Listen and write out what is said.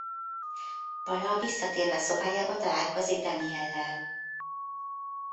Vala visszatérve szobájába találkozik Daniel-lel.